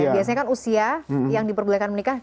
biasanya kan usia yang diperbolehkan menikah